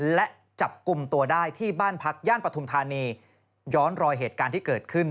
และจับกลุ่มตัวได้ที่บ้านพักย่านปฐุมธานีย้อนรอยเหตุการณ์ที่เกิดขึ้น